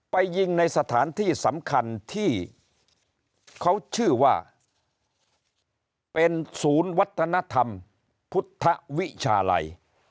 ไปยิงในสถานที่สำคัญที่เขาชื่อว่าเป็นศูนย์วัฒนธรรมพุทธวิชาลัย